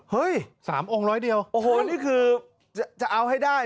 เฮ้ย๓องค์๑๐๐เดียวโอ้โหนี่คือจะเอาให้ได้